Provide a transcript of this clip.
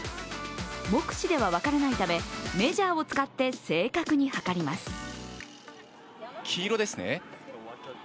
目視では分からないためメジャーを使って正確に測ります。